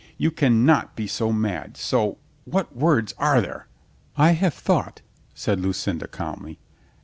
You can not be so mad, so — what words are there?" "I have thought," said Lucinda calmly.